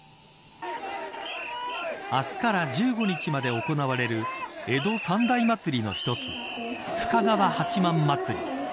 明日から１５日まで行われる江戸三大祭りの一つ深川八幡祭り。